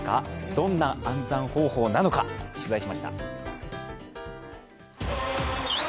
どんな暗算方法なのか取材しました。